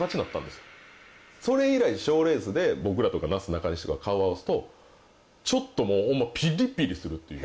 それ以来賞レースで僕らとかなすなかにしが顔を合わすとちょっともうホンマピリピリするという。